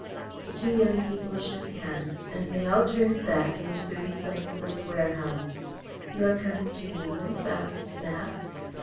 The two young people shook hands, and they all turned back into the recesses of the warehouse. "You are coming to England?" Ballaston asked.